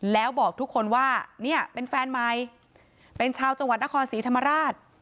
แล้วบอกทุกคนว่าเนี่ยเป็นแฟนใหม่เป็นชาวจังหวัดนครศรีธรรมราช